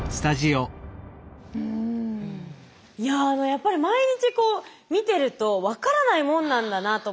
やっぱり毎日こう見てると分からないもんなんだなと思って。